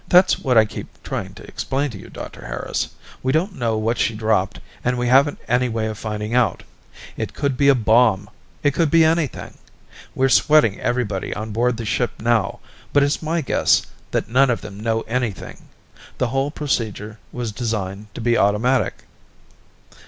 "That's what I keep trying to explain to you, Dr. Harris. We don't know what she dropped and we haven't any way of finding out. It could be a bomb it could be anything. We're sweating everybody on board the ship now, but it's my guess that none of them know anything; the whole procedure was designed to be automatic."